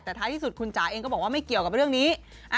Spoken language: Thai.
แต่ท้ายที่สุดคุณจ๋าเองก็บอกว่าไม่เกี่ยวกับเรื่องนี้